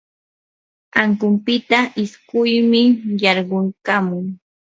ankunpita isquymi yarquykamun.